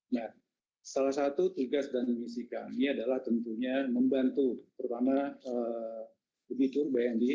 nah salah satu tugas dan misi kami adalah tentunya membantu terutama begitu bnp